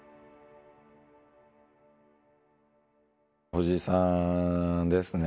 藤井さんですね。